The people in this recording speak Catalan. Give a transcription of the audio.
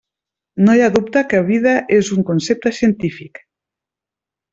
No hi ha dubte que vida és un concepte científic.